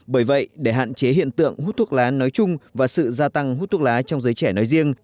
bởi vậy để hạn chế hiện tượng hút thuốc lá nói chung và sự gia tăng hút thuốc lá trong giới trẻ nói riêng